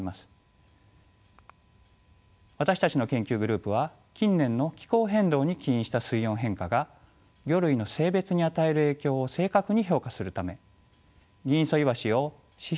私たちの研究グループは近年の気候変動に起因した水温変化が魚類の性別に与える影響を正確に評価するためギンイソイワシを指標